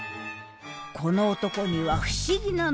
この男には不思議な「能力」が。